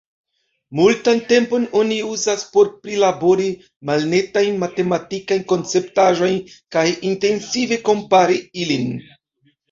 Multan tempon oni uzas por prilabori malnetajn matematikajn konceptaĵojn kaj intensive kompari ilin.